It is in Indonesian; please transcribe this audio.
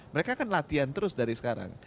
mereka kan latihan terus dari sekarang